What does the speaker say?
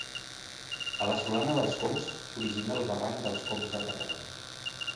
A la Solana dels Cóms s'origina el barranc dels Cóms de Carreu.